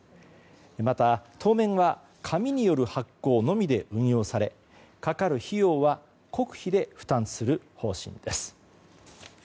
また当面は紙による発行のみで運用され、かかる費用は国費で負担する方針です。